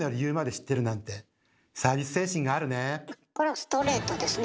これはストレートですね。